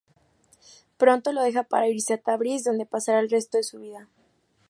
Pronto lo deja para irse a Tabriz, donde pasará el resto de su vida.